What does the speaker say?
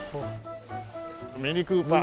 ミニクーパー。